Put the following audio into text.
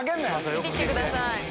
見て来てください。